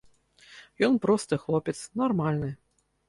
Ён просты хлопец, нармальны.